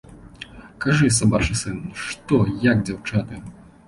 Кажы, сабачы сын, што, як дзяўчаты?!.